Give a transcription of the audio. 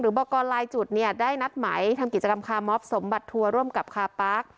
บอกกรลายจุดเนี่ยได้นัดไหมทำกิจกรรมคาร์มอบสมบัติทัวร์ร่วมกับคาปาร์ค